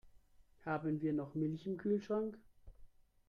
Haben wir noch Milch im Kühlschrank?